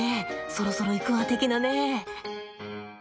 そろそろいくわ的なね。